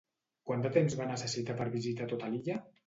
Quant de temps va necessitar per visitar tota l'illa?